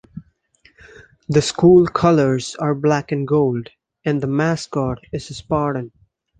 The school colors are black and gold, and the mascot is a Spartan.